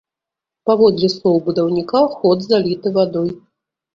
Паводле слоў будаўніка, ход заліты вадой.